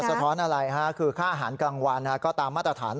สะท้อนอะไรคือค่าอาหารกลางวันก็ตามมาตรฐาน